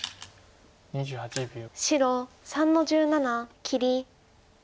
白３の十七切り。